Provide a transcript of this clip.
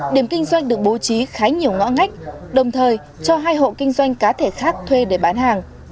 điểm kinh doanh được bố trí khá nhiều ngõ ngách đồng thời cho hai hộ kinh doanh cá thể khác thuê để bán hàng